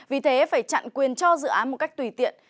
vì thế phải chặn quyền cho dự án một cách tùy tiện